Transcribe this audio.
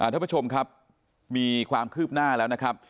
ท่านผู้ชมครับมีความคืบหน้าแล้วนะครับ